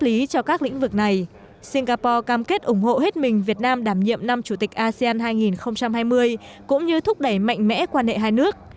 lý cho các lĩnh vực này singapore cam kết ủng hộ hết mình việt nam đảm nhiệm năm chủ tịch asean hai nghìn hai mươi cũng như thúc đẩy mạnh mẽ quan hệ hai nước